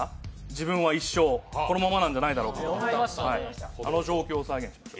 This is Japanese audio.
自分は一生このままなんじゃないだろうかと、あの状況を再現します。